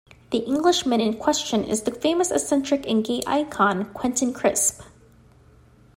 The "Englishman" in question is the famous eccentric and gay icon Quentin Crisp.